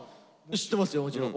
知ってますよもちろん。